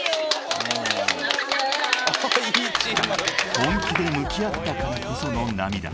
［本気で向き合ったからこその涙］